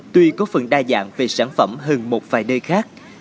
tuy có phần đa dạng về sản phẩm hơn một vài nơi khác